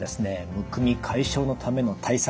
むくみ解消のための対策